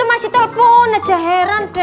masih telpon aja heran deh